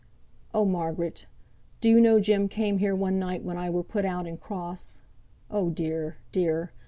"Oh, Margaret; do you know Jem came here one night when I were put out, and cross. Oh, dear! dear!